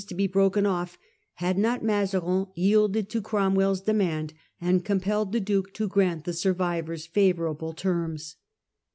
75 to be broken off had not Mazarin yielded to Cromwell's demand and compelled the Duke to grant the survivors favourable terms.